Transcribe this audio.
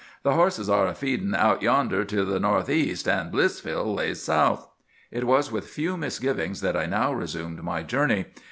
The horses are feedin' out yonder to the no'th east, an' Blissville lays south.' "It was with few misgivings that I now resumed my journey.